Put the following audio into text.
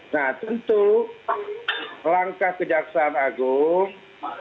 nah tentu langkah kejaksaan agung